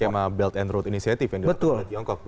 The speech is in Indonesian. skema belt and road initiative yang dilakukan oleh tiongkok